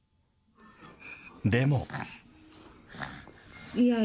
でも。